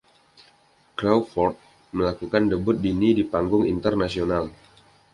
Crawford melakukan debut dini di panggung internasional.